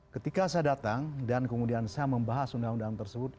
ketika saya datang dan kemudian saya membahas undang undang tersebut